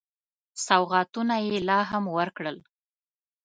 سوغاتونه یې لا هم ورکړل.